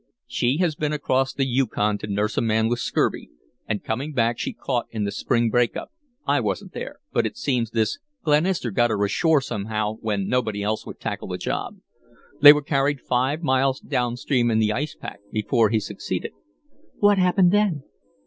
"She had been across the Yukon to nurse a man with scurvy, and coming back she was caught in the spring break up. I wasn't there, but it seems this Glenister got her ashore somehow when nobody else would tackle the job. They were carried five miles down stream in the ice pack before he succeeded." "What happened then?"